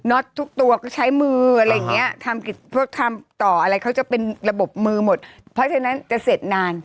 น็อตทุกตัวก็ใช้มืออะไรอย่างนี้เขาจะเป็นระบบมือหมดเพราะฉะนั้นจะเสร็จนาน